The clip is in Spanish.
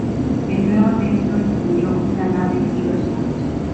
El nuevo templo incluyó una nave y dos alas.